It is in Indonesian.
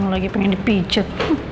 lagi pengen dipijet